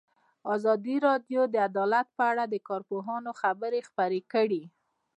ازادي راډیو د عدالت په اړه د کارپوهانو خبرې خپرې کړي.